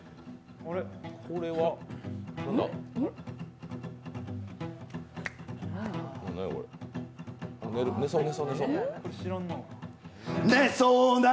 あれ、これはなんだ？